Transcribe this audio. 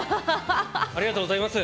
ありがとうございます。